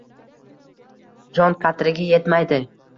Jon qadriga yetmaydi».